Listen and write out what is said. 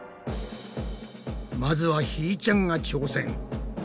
まずはひーちゃんが挑戦。